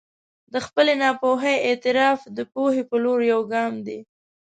د خپلې ناپوهي اعتراف د پوهې په لور یو ګام دی.